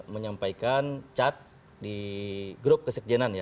menyampaikan chat di grup kesekjenan ya